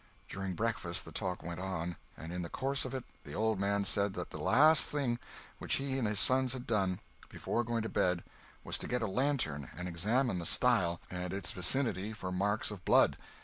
During breakfast the talk went on, and in the course of it the old man said that the last thing which he and his sons had done, before going to bed, was to get a lantern and examine the stile and its vicinity for marks of blood.